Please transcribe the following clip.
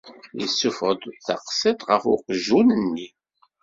Yessufeɣ-d taqsiṭ ɣef uqjun-nni.